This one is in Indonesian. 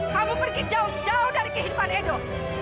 kamu pergi jauh jauh dari kehidupan edo